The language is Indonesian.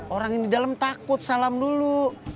orang yang di dalam takut salam dulu